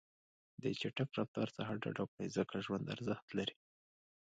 د چټک رفتار څخه ډډه وکړئ، ځکه ژوند ارزښت لري.